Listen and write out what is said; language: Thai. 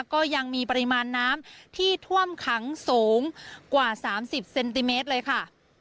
ก็ยังมีปริมาณน้ำที่ท่วมขังสูงกว่า๓๐เซนติเมตรเลยค่ะ